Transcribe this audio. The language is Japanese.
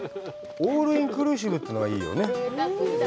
オールインクルーシブというのがいいよね。